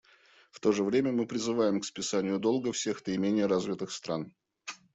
В то же время мы призываем к списанию долга всех наименее развитых стран.